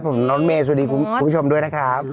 ผมรถเมย์สวัสดีคุณผู้ชมด้วยนะครับ